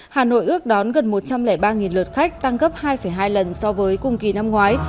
hà nội ước đón gần một trăm linh ba lượt khách tăng gấp hai hai lần so với cùng kỳ năm ngoái